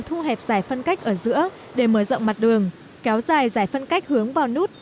thu hẹp giải phân cách ở giữa để mở rộng mặt đường kéo dài giải phân cách hướng vào nút